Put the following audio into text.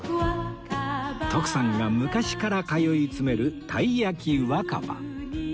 徳さんが昔から通い詰めるたいやきわかば